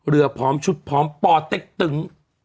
เรือพร้อมชุดพร้อมปเต็กตึง